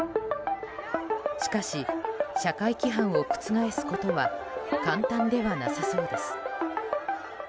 しかし、社会規範を覆すことは簡単ではなさそうです。